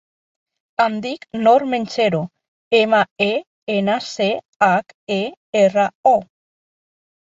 Em dic Nor Menchero: ema, e, ena, ce, hac, e, erra, o.